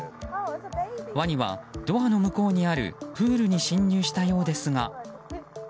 ワニはドアの向こうにあるプールに侵入したようですが。